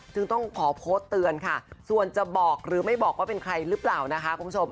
จึงต้องขอโพสต์เตือนค่ะส่วนจะบอกหรือไม่บอกว่าเป็นใครหรือเปล่านะคะคุณผู้ชม